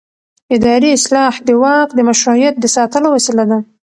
اداري اصلاح د واک د مشروعیت د ساتلو وسیله ده